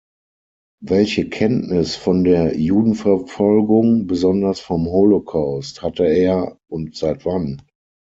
Welche Kenntnis von der Judenverfolgung, besonders vom Holocaust, hatte er und seit wann?